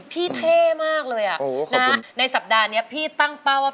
เท่มากเลยในสัปดาห์นี้พี่ตั้งเป้าว่า